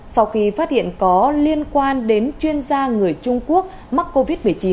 sau khi phát hiện có liên quan đến chuyên gia người trung quốc mắc covid một mươi chín